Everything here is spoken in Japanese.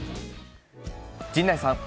陣内さん。